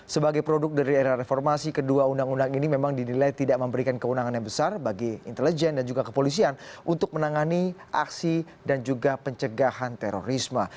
sebagai produk dari era reformasi kedua undang undang ini memang dinilai tidak memberikan kewenangan yang besar bagi intelijen dan juga kepolisian untuk menangani aksi dan juga pencegahan terorisme